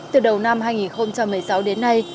từ đầu năm hai nghìn một mươi sáu đến nay